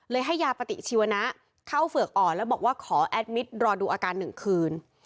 ให้ยาปฏิชีวนะเข้าเฝือกอ่อนแล้วบอกว่าขอแอดมิตรรอดูอาการ๑คืน